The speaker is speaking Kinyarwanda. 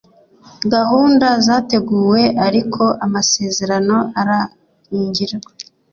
gahunda zateguwe, ariko amasezerano ararangira